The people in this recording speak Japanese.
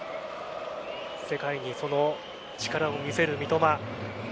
世界に、その力を見せる三笘。